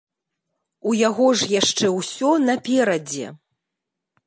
У яго ж яшчэ ўсё наперадзе.